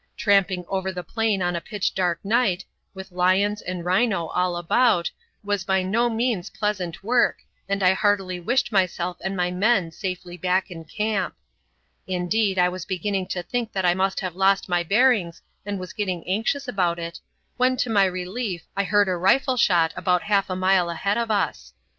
Tramping over the plain on a pitch dark night, with lions and rhino all about, was by no means pleasant work and I heartily wished myself and my men safely back in camp. Indeed, I was beginning to think that I must have lost my bearings and was getting anxious about it, when to my relief I heard a rifle shot about half a mile ahead of us.